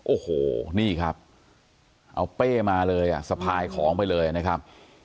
โอ้โหนี่ครับเอาเป้มาเลยอ่ะสะพายของไปเลยนะครับ